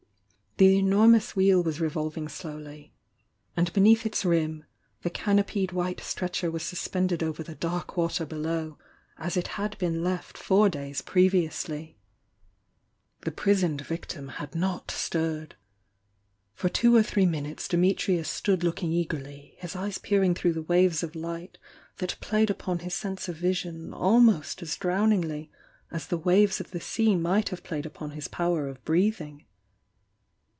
The enormous Wheel was revolving slowly — and beneath its rim, the canopied white stretcher was suspended over the dark water below, as it had been left four days previously. The pris oned victim had not stirred. For two or three min utes Dimitrius stood looking eagerly, his eyes peer ing through the waves of light that played upon his sense of vision almost as drowningly as the waves of the sea might have played upon his power of breathing.